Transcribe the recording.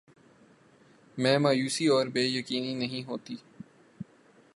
میں مایوسی اور بے یقینی نہیں ہوتی